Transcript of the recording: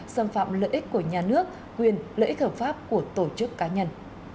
xâm phạm lợi ích của nhà nước quyền lợi ích hợp pháp của tổ chức cá nhân